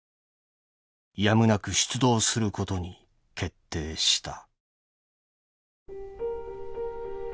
やむなく出動することに決定した」。